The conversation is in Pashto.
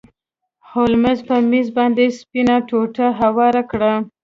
هولمز په میز باندې سپینه ټوټه هواره کړه.